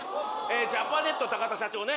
ジャパネットたかた社長ね。